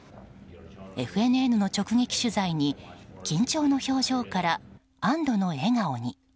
ＦＮＮの直撃取材に緊張の表情から安堵の笑顔に。